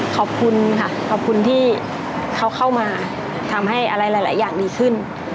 ขอบคุณค่ะขอบคุณที่เขาเข้ามาทำให้อะไรหลายอย่างดีขึ้น